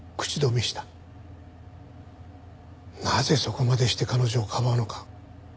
なぜそこまでして彼女をかばうのか？